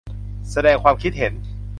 แสดงความคิดเห็น